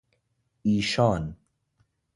ایشان